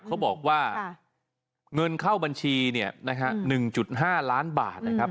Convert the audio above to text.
เขาบอกว่าเงินเข้าบัญชีเนี่ยนะฮะ๑๕ล้านบาทนะครับ